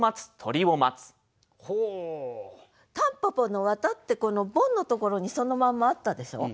「蒲公英の絮」ってボンのところにそのまんまあったでしょ？